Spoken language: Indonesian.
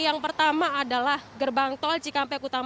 yang pertama adalah gerbang tol cikampek utama